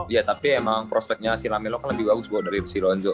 iya tapi emang prospeknya si lame lo kan lebih bagus buat dari si lonzo